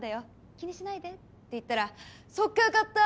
気にしないで」って言ったら「そっかよかった！